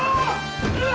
うわ！